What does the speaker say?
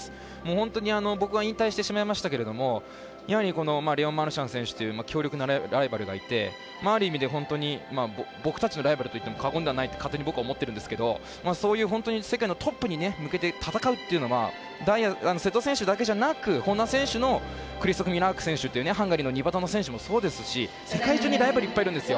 本当に僕は引退してしまいましたけれどやはりレオン・マルシャン選手という強力なライバルがいてある意味で本当に僕たちのライバルといっても過言ではないって勝手に僕は思っているんですけどそういう世界のトップに向けて戦うっていうのは瀬戸選手だけじゃなく本田選手のハンガリーの２バタの選手もそうですし世界中にライバルがいっぱいいるんです。